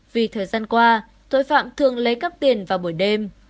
vì thời gian qua tội phạm thường lấy cắp tiền vào buổi đêm